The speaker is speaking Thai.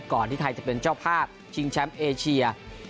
ที่ไทยจะเป็นเจ้าภาพชิงแชมป์เอเชีย